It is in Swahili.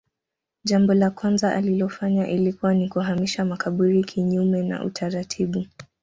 Jambo la kwanza alilolifanya ilikuwa ni kuhamisha makaburi kinyume na utaratibu